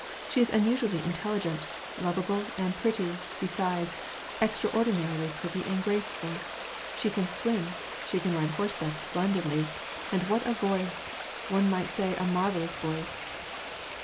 " She is unusually intelligent, lovable, and pretty, besides — extraordinarily pretty and graceful; she can swim, she can ride horseback splendidly, and what a voice ! One might say, a marvellous voice